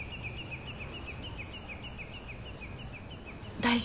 大丈夫？